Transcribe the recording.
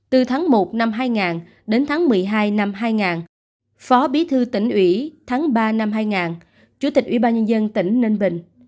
từ tháng một năm hai nghìn đến tháng một mươi hai năm hai nghìn phó bí thư tỉnh ủy tháng ba năm hai nghìn chủ tịch ủy ban nhân dân tỉnh ninh bình